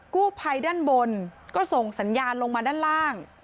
กู้ภัยด้านบนก็ส่งสัญญาณลงมาด้านล่าง